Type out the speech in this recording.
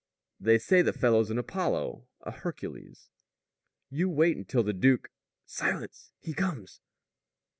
"They say the fellow's an Apollo, a Hercules." "You wait until the duke " "Silence! He comes."